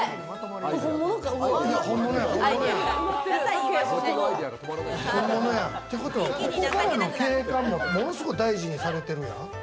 本物かな？ってことはここからの景観もものすごい大事にされてるやん。